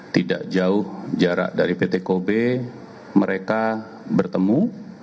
tidak jauh jarak dari pt kobe mereka bertemu